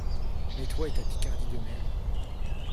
Mais toi et ta Picardie de merde.